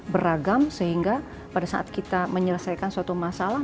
beragam sehingga pada saat kita menyelesaikan suatu masalah